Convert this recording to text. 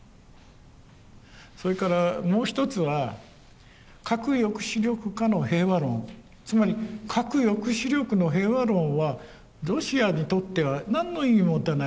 それからもう一つはつまり核抑止力の平和論はロシアにとっては何の意味も持たない。